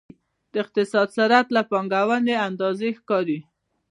د اقتصاد سرعت د پانګونې له اندازې ښکاري.